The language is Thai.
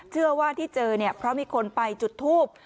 เชื่อว่าที่เจอเนี่ยเพราะมีคนไปจุดทูบ